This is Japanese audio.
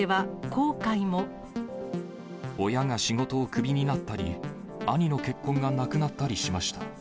親が仕事をクビになったり、兄の結婚がなくなったりしました。